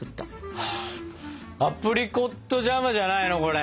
アプリコットジャムじゃないのこれ！